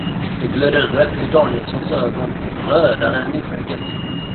Det glödde rött i Danielssons ögon, rödare än i skägget.